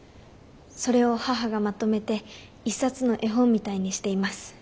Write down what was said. それを母がまとめて一冊の絵本みたいにしています。